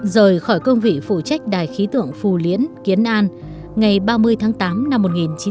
rời khỏi công vị phụ trách đài khí tượng phù liễn kiến an ngày ba mươi tháng tám năm một nghìn chín trăm bảy mươi